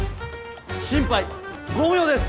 心配ご無用です！